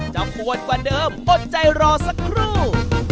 ปวดกว่าเดิมอดใจรอสักครู่